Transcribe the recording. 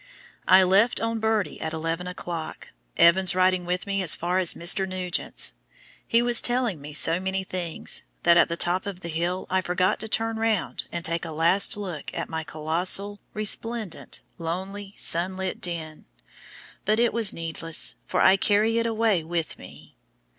I left on Birdie at 11 o'clock, Evans riding with me as far as Mr. Nugent's. He was telling me so many things, that at the top of the hill I forgot to turn round and take a last look at my colossal, resplendent, lonely, sunlit den, but it was needless, for I carry it away with me.